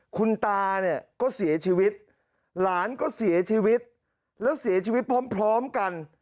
คุณตาเนี่ยก็เสียชีวิตหลานก็เสียชีวิตแล้วเสียชีวิตพร้อมกัน